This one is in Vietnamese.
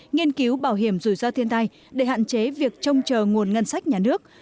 nghiên cứu bảo hiểm rủi ro thiên tai để hạn chế việc trông chờ nguồn ngân sách nhà nước